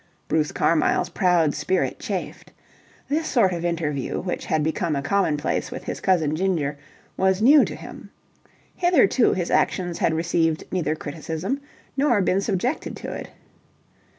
Bruce Carmyle's proud spirit chafed. This sort of interview, which had become a commonplace with his cousin Ginger, was new to him. Hitherto, his actions had received neither criticism nor been subjected to it.